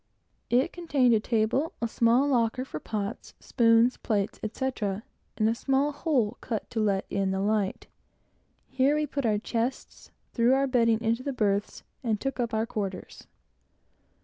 It contained a table, a small locker for pots, spoons, plates, etc., and a small hole cut to let in the light. Here we put our chests, threw our bedding into the berths, and took up our quarters.